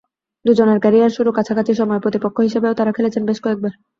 দুজনের ক্যারিয়ার শুরু কাছাকাছি সময়ে, প্রতিপক্ষ হিসেবেও তাঁরা খেলেছেন বেশ কয়েকবার।